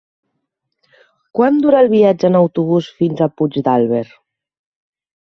Quant dura el viatge en autobús fins a Puigdàlber?